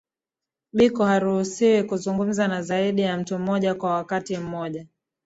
Biko haruhusiwi kuzungumza na zaidi ya mtu mmoja kwa wakati mmoja